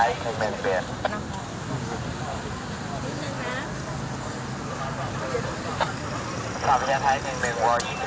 ถึงคุณพยาบาลสำรวจเรียบร้อยครับ